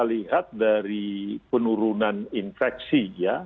kita lihat dari penurunan infeksi ya